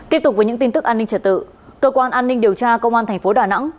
tiếp tục với những tin tức an ninh trật tự cơ quan an ninh điều tra công an thành phố đà nẵng